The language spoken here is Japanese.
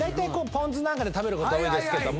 ポン酢で食べること多いですけど。